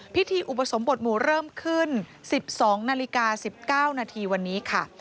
พิธีอุปสมบทหมู่เริ่มขึ้น๑๒นาฬิกา๑๙นาทีวันนี้ค่ะ